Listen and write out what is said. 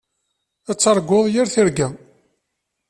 Ad targuḍ yir tirga.